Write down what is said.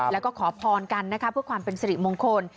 แล้วก็ขอพรกันนะคะเพื่อความเป็นสิริมงคล